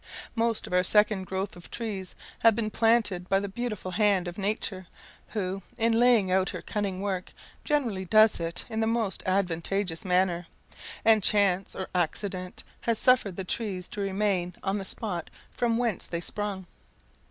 Most of our second growth of trees have been planted by the beautiful hand of nature, who, in laying out her cunning work, generally does it in the most advantageous manner; and chance or accident has suffered the trees to remain on the spot from whence they sprung.